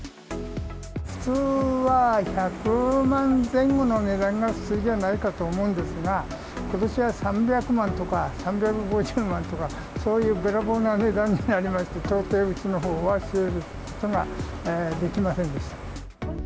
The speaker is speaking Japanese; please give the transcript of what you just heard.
普通は１００万前後の値段が普通じゃないかと思うんですが、ことしは３００万とか３５０万とか、そういうべらぼうな値段になりまして、到底うちのほうは仕入れることができませんでした。